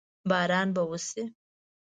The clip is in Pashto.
باران به وشي؟